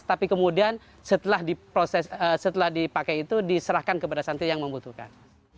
tapi kemudian setelah dipakai itu diserahkan kepada santri yang membutuhkan